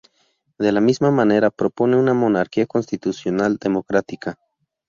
De la misma manera, propone una monarquía constitucional democrática.